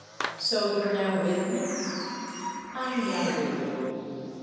"So you're now with me?" "I'm now with you!"